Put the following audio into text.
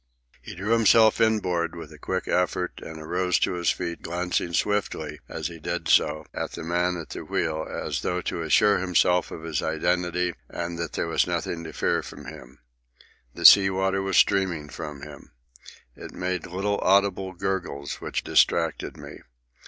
He drew himself inboard with a quick effort, and arose to his feet, glancing swiftly, as he did so, at the man at the wheel, as though to assure himself of his identity and that there was nothing to fear from him. The sea water was streaming from him. It made little audible gurgles which distracted me.